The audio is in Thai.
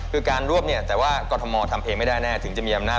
คือการรวบเนี่ยแต่ว่ากรทมทำเองไม่ได้แน่ถึงจะมีอำนาจ